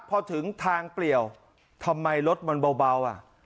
พอถึงทางเปลี่ยวทำไมรถมันเบาอ่ะ